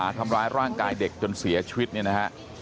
ลูกสาวหลายครั้งแล้วว่าไม่ได้คุยกับแจ๊บเลยลองฟังนะคะ